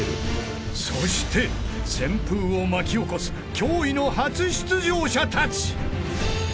［そして旋風を巻き起こす驚異の初出場者たち］